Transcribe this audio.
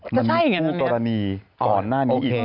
มันมีคู่กรณีก่อนหน้านี้อีก